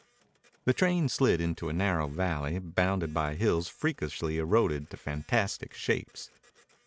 The train slid into a narrow valley bounded by hills freakishly eroded to fantastic shapes.